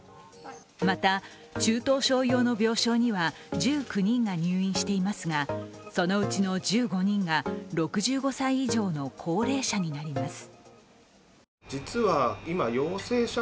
また中等症用のベッドには１９人が入院していますがそのうちの１５人が６５歳以上の高齢者になります。